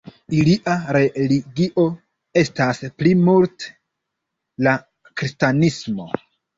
Ilia religio estas plimulte la kristanismo.